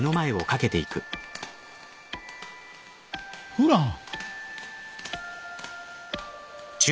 フラン？